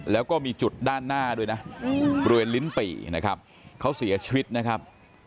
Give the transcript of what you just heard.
แล้วก็มีจุดด้านหน้าด้วยนะบริเวณลิ้นปี่นะครับเขาเสียชีวิตนะครับ